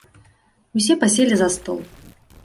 Усе паселі за стол.